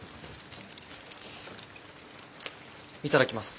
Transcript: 頂きます。